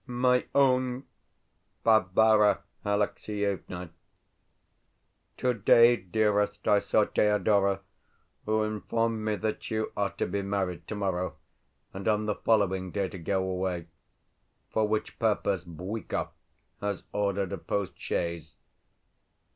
MY OWN BARBARA ALEXIEVNA, Today, dearest, I saw Thedora, who informed me that you are to be married tomorrow, and on the following day to go away for which purpose Bwikov has ordered a post chaise....